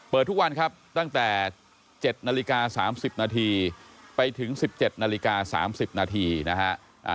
ทุกวันครับตั้งแต่๗นาฬิกา๓๐นาทีไปถึง๑๗นาฬิกา๓๐นาทีนะฮะ